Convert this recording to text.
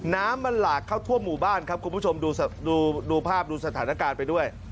น้ำมันหลากเข้าทั่วหมู่บ้านครับคุณผู้ชมดูภาพดูสถานการณ์ไปด้วย